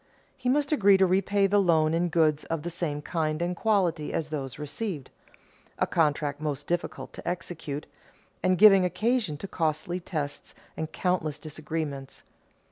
He must agree to repay the loan in goods of the same kind and quality as those received, a contract most difficult to execute, and giving occasion to costly tests and countless disagreements.